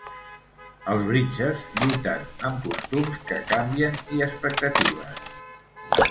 Els Bridges lluiten amb costums que canvien i expectatives.